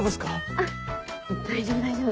あっ大丈夫大丈夫。